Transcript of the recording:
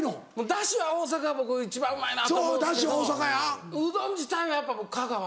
ダシは大阪が僕一番うまいなと思うんですけどうどん自体はやっぱ香川。